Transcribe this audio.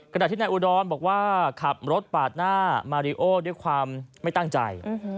ขณะที่นายอุดรบอกว่าขับรถปาดหน้ามาริโอด้วยความไม่ตั้งใจ